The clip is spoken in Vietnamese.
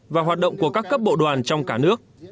và hoạt động của các cấp bộ đoàn trong cả nước